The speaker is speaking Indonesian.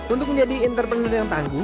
untuk menjadi entrepreneur yang tangguh